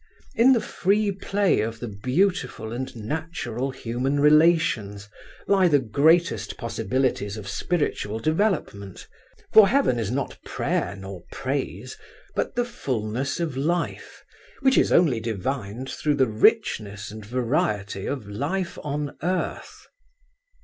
In the free play of the beautiful and natural human relations lie the greatest possibilities of spiritual development, for heaven is not prayer nor praise but the fullness of life, which is only divined through the richness and variety of life on earth.